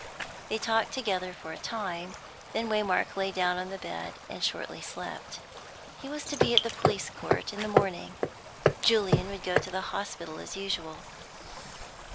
They talked together for a time; then Waymark lay down on the bed and shortly slept. He was to be at the police court in the morning. Julian would go to the hospital as usual.